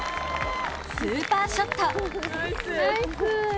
スーパーショット！